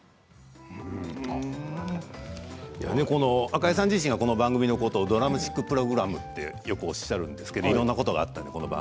赤江さん自身この番組のことをドラマティックプログラムとよくおっしゃるんですけれどいろんなことがあってね。